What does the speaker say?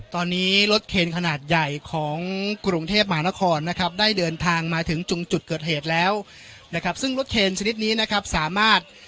ตอนนี้รถเคนขนาดใหญ่ของกรุงเทพมหานครนะครับได้เดินทางมาถึงจุงจุดเกิดเหตุแล้วนะครับซึ่งรถเคนชนิดนี้นะครับสามารถ